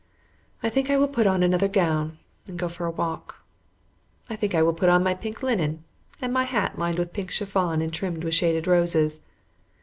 I think I will put on another gown and go for a walk. I think I will put on my pink linen, and my hat lined with pink chiffon and trimmed with shaded roses.